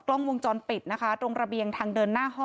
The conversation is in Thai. จะเอาเงินเป็นแค่อย่างเดียวอะไรอย่างนี้ค่ะ